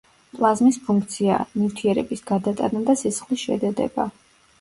პლაზმის ფუნქციაა: ნივთიერების გადატანა და სისხლის შედედება.